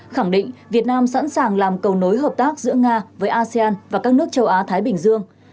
khẳng định việt nam sẵn sàng làm cầu nối hợp tác giữa nga với asean và các nước châu á thái bình dương